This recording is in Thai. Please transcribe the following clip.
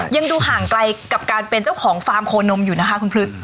ยังดูห่างไกลกับการเป็นเจ้าของฟาร์มโคนมอยู่นะคะคุณพฤษ